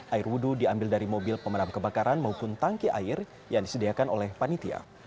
air wudhu diambil dari mobil pemadam kebakaran maupun tangki air yang disediakan oleh panitia